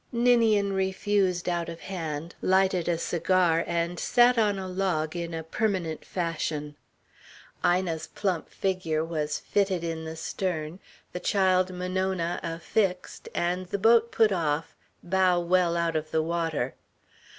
Ninian refused out of hand, lighted a cigar, and sat on a log in a permanent fashion. Ina's plump figure was fitted in the stern, the child Monona affixed, and the boat put off, bow well out of water.